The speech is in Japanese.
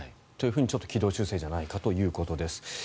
というふうにちょっと軌道修正じゃないかということです。